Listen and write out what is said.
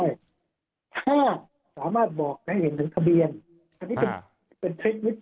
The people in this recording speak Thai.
ถ้าสามารถบอกให้เห็นถึงทะเบียน